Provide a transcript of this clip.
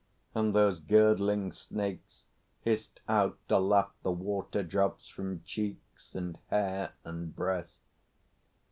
And those girdling snakes Hissed out to lap the waterdrops from cheeks And hair and breast.